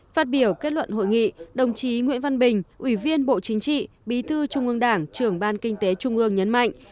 phát biểu kết luận hội nghị đồng chí nguyễn văn bình ủy viên bộ chính trị bí thư trung ương đảng trưởng ban kinh tế trung ương nhấn mạnh